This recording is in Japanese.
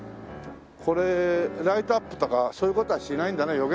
これライトアップとかそういう事はしないんだね。